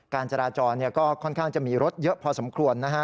การจราจรก็ค่อนข้างจะมีรถเยอะพอสมควรนะฮะ